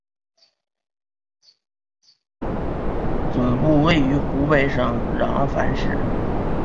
总部位于湖北省襄樊市。